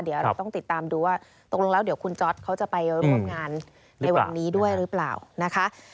เดี๋ยวเราต้องติดตามดูว่าตกลงแล้วเดี๋ยวคุณจ๊อตเขาจะไปร่วมงานในวันนี้ด้วยหรือเปล่านะคะ